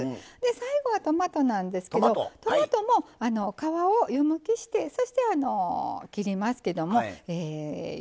最後はトマトなんですけどトマトも皮を湯むきしてそして切りますけどもこれ４等分にしてますね。